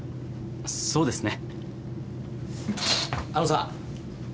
あっそうですね。